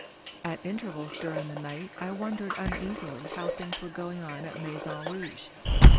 At intervals during the night I wondered uneasily how things were going on at Maison Rouge.